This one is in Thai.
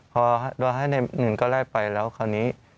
พอดัวให้เงินก้อนแรกไปแล้วคราวนี้